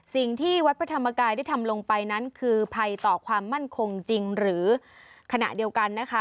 สิ่งที่วัดพระธรรมกายได้ทำลงไปนั้นคือภัยต่อความมั่นคงจริงหรือขณะเดียวกันนะคะ